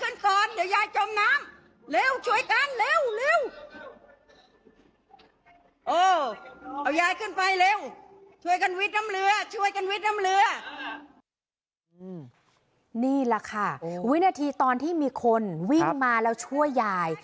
นี่แหละค่ะวินาทีตอนที่มีคนวิ่งมาแล้วช่วยยาย